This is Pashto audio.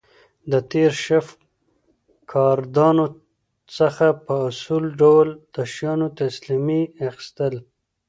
د تېر شفټ ګاردانو څخه په اصولي ډول د شیانو تسلیمي اخیستل